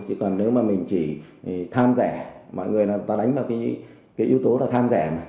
chỉ còn nếu mà mình chỉ tham rẻ mọi người ta đánh vào cái yếu tố là tham rẻ